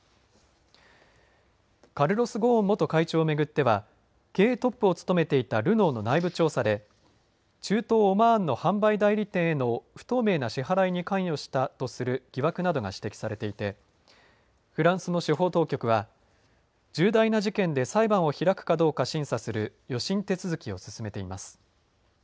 カルロス・ゴーン元会長を巡っては経営トップを務めていたルノーの内部調査で中東オマーンへの販売代理店への不透明な支払いに関与したとする疑惑などが指摘されていてフランスの司法当局は重大な事件で裁判を開くかどうか審査する予審手続きを進めています。